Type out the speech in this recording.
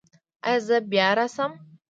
ایا زه بیا راشم؟